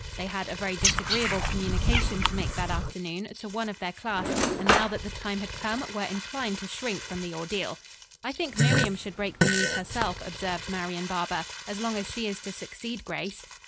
They had a very disagreeable communication to make that afternoon, to one of their class, and now that the time had come were inclined to shrink from the ordeal. "I think Miriam should break the news herself," observed Marian Barber, "as long as she is to succeed Grace."